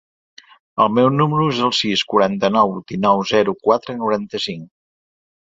El meu número es el sis, quaranta-nou, dinou, zero, quatre, noranta-cinc.